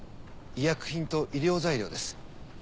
医薬品と医療材料です。